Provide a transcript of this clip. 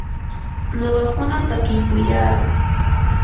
nuqakuna takiykuyaa.